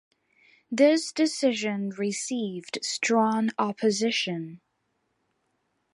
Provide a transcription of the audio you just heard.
This decision received strong opposition.